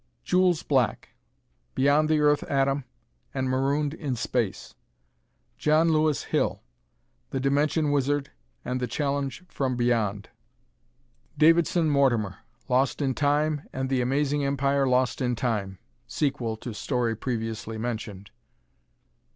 Jules Black: "Beyond the Earth Atom" and "Marooned in Space." John Louis Hill: "The Dimension Wizard" and "The Challenge from Beyond." Davidson Mortimer: "Lost in Time" and "The Amazing Empire Lost in Time" (sequel to story previously mentioned).